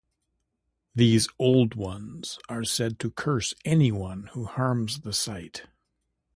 These "Old Ones" are said to curse anyone who harms the site.